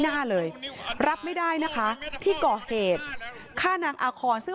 หน้าเลยรับไม่ได้นะคะที่ก่อเหตุฆ่านางอาคอนซึ่ง